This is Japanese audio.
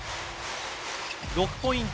６ポイント